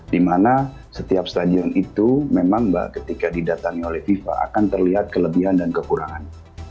dimana setiap stadion itu memang ketika didatangi oleh fifa akan terlihat kelebihan dan kekurangan